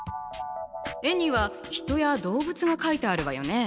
絵には人や動物が描いてあるわよね。